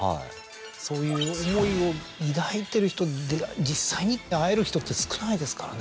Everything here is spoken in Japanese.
そういう思いを抱いてる人で実際に会える人って少ないですからね。